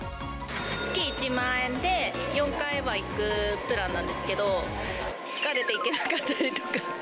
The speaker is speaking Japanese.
月１万円で４回は行くプランなんですけど、疲れて行けなかったりとか。